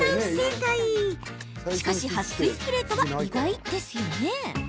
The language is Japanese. しかし、はっ水スプレーとは意外ですよね？